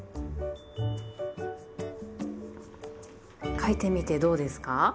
書いてみてどうですか？